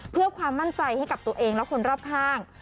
เพื่อความมั่นใจให้กับตัวเองและคนรอบข้าง